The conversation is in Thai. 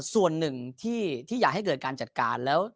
ส่วนหนึ่งที่อยากให้เกิดการจัดการแล้ว